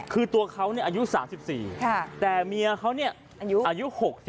คือตัวเขาอายุ๓๔แต่เมียเขาเนี่ยอายุ๖๒